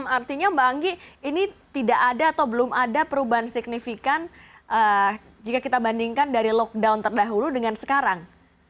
artinya mbak anggi ini tidak ada atau belum ada perubahan signifikan jika kita bandingkan dari lockdown terdahulu dengan sekarang